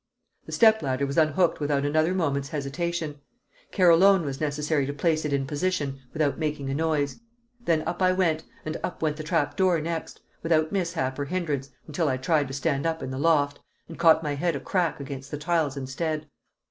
The step ladder was unhooked without another moment's hesitation. Care alone was necessary to place it in position without making a noise; then up I went, and up went the trapdoor next, without mishap or hindrance until I tried to stand up in the loft, and caught my head a crack against the tiles instead.